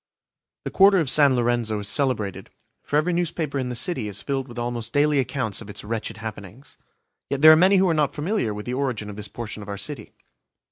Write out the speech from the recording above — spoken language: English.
The Quarter of San Lorenzo is celebrated, for every newspaper in the city is filled with almost daily accounts of its wretched happenings. Yet there are many who are not familiar with the origin of this portion of our city.